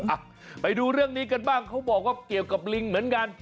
อ่ะไปดูเรื่องนี้กันบ้างเขาบอกว่าเกี่ยวกับลิงเหมือนกัน